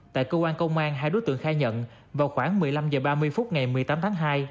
tại cơ quan công an hai đối tượng khai nhận vào khoảng một mươi năm h ba mươi phút ngày một mươi tám tháng hai